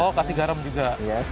oh kasih garam juga